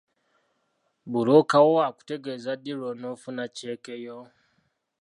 Bbulooka wo akutegeeza ddi lw'onoofuna cceeke yo.